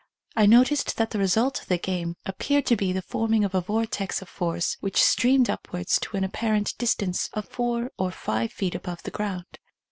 I no ticed that the result of the game appeared to be the forming of a vortex of force which streamed upwards to an apparent distance of four or five feet above the ground.